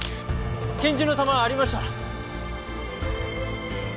拳銃の弾ありました。